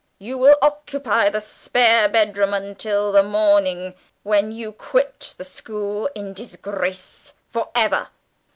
You will occupy the spare bedroom until the morning, when you quit the school in disgrace for ever."